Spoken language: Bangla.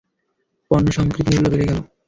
পণ্যসামগ্রীর মূল্য বেড়ে গেল।